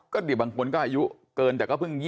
ก็ดีบางคนก็อายุเกินแต่ก็เพิ่ง๒๐